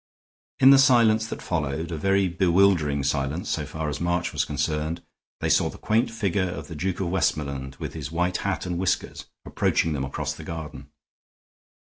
In the silence that followed, a very bewildering silence so far as March was concerned, they saw the quaint figure of the Duke of Westmoreland, with his white hat and whiskers, approaching them across the garden.